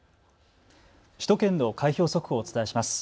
首都圏の開票速報をお伝えします。